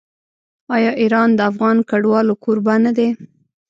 آیا ایران د افغان کډوالو کوربه نه دی؟